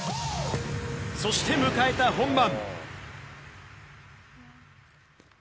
そして迎えた本番。